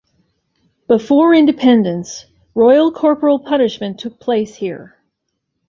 Before independence, royal corporal punishment took place here.